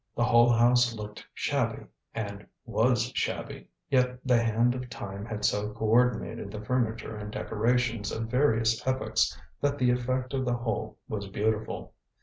The whole house looked shabby and was shabby, yet the hand of Time had so co ordinated the furniture and decorations of various epochs that the effect of the whole was beautiful.